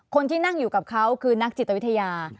คนที่นั่งอยู่กับเขาคือนักจิตวิทยา